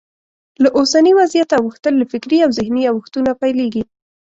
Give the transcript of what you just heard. له اوسني وضعیته اوښتل له فکري او ذهني اوښتون پیلېږي.